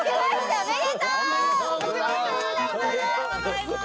おめでとうございます。